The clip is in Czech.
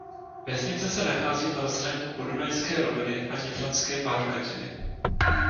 Vesnice se nachází na rozhraní Podunajské roviny a Nitranské pahorkatiny.